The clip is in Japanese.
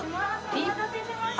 お待たせしました。